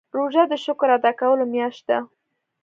روژه د شکر ادا کولو میاشت ده.